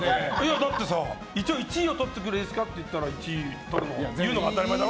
だってさ、一応１位をとってくれって言われたら１位とるのを言うのが当たり前だろ。